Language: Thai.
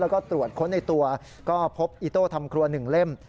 แล้วก็ตรวจค้นในตัวก็พบอิโต้ทำครัว๑เล่ม